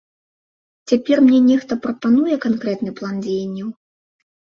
Цяпер мне нехта прапануе канкрэтны план дзеянняў?